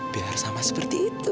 biar sama seperti itu